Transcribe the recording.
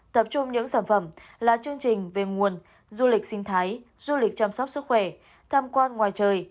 tập trung những sản phẩm là chương trình về nguồn du lịch sinh thái du lịch chăm sóc sức khỏe tham quan ngoài trời